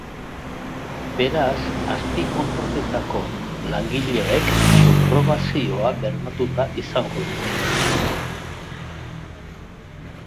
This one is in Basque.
Beraz, azpikontratetako langileek subrogazioa bermatuta izango dute.